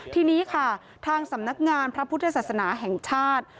ทีนี้ค่ะทางสำนักงานพระพุทธศาสนาแห่งชาติ